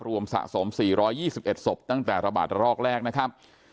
สะสม๔๒๑ศพตั้งแต่ระบาดระรอกแรกนะครับ